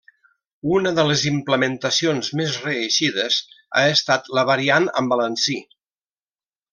Una de les implementacions més reeixides ha estat la variant amb balancí.